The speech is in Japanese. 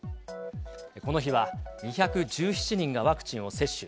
この日は、２１７人がワクチンを接種。